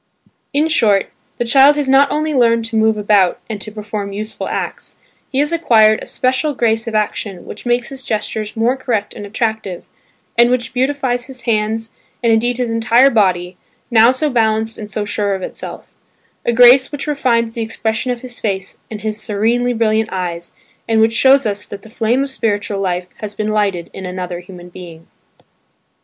In short, the child has not only learned to move about and to perform useful acts; he has acquired a special grace of action which makes his gestures more correct and attractive, and which beautifies his hands and indeed his entire body now so balanced and so sure of itself; a grace which refines the expression of his face and of his serenely brilliant eyes, and which shows us that the flame of spiritual life has been lighted in another human being.